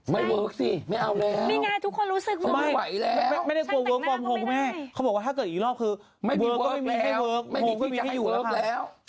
ไม่เวิร์กสิไม่เอาแล้ว